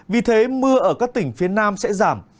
vì thế mưa ở các tỉnh phía nam sẽ giảm